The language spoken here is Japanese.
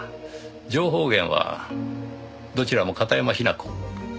情報源はどちらも片山雛子。